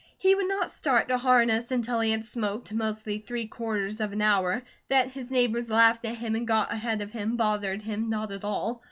He would not start to harness until he had smoked, mostly three quarters of an hour. That his neighbours laughed at him and got ahead of him bothered him not at all.